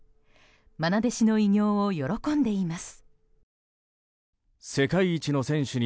愛弟子の偉業を喜んでいます。